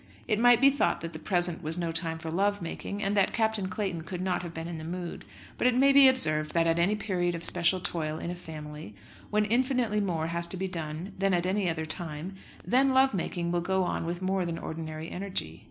It might be thought that the present was no time for love making, and that Captain Clayton could not have been in the mood. But it may be observed that at any period of special toil in a family, when infinitely more has to be done than at any other time, then love making will go on with more than ordinary energy.